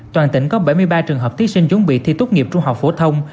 toàn tỉnh có bảy mươi ba trường hợp thí sinh chuẩn bị thi tốt nghiệp trung học phổ thông